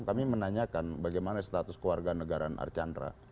kami menanyakan bagaimana status keluarga negaraan archandra